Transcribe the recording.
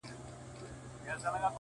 • دودونه ژوند توره څېره کوي تل..